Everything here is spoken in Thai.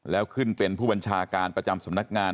แล้วขึ้นเป็นผู้บัญชาการประจำสำนักงาน